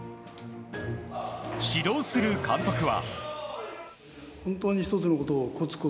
指導する監督は。